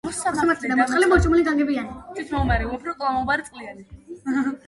ერთ წუთიც